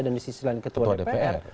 dan di sisi lain ketua dpr